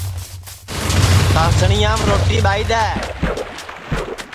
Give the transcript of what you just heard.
تانٚسݪیام روٹی ٻائھی دؔے